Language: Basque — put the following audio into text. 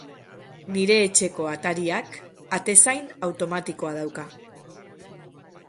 Nire etxeko atariak atezain automatikoa dauka.